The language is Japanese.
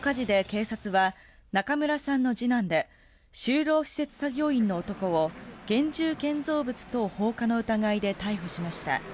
この火事で警察は中村さんの次男で就労施設作業員の男を現住建造物等放火の疑いで逮捕しました。